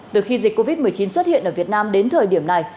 từ khi dịch covid một mươi chín xuất hiện ở việt nam đến thời điểm này